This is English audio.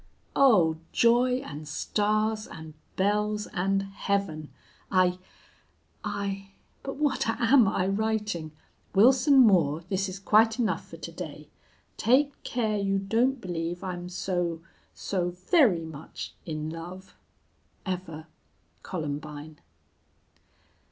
oh! joy and stars and bells and heaven! I I ... But what am I writing? Wilson Moore, this is quite enough for to day. Take care you don't believe I'm so so very much in love. "Ever, "COLUMBINE."